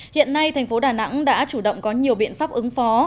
hiện nay thành phố đà nẵng đã chủ động có nhiều biện pháp ứng phó